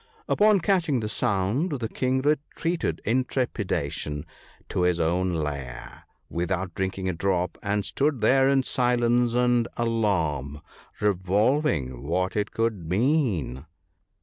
Upon catching the sound the king retreated in trepidation to his own lair, without drinking a drop, and stood there in silence and alarm, revolving what it could mean.